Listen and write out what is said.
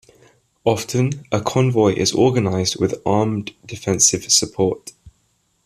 Often, a convoy is organized with armed defensive support.